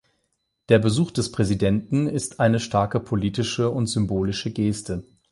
Der Besuch des Präsidenten ist eine starke politische und symbolische Geste.